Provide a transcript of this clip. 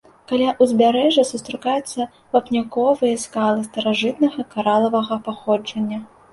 Каля ўзбярэжжа сустракаюцца вапняковыя скалы старажытнага каралавага паходжання.